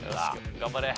頑張れ！